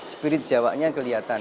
spirit jawa nya kelihatan